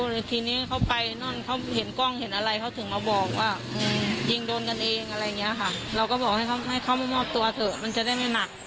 เราก็บอกให้เขามามอบตัวเถอะมันจะได้ไม่หนัก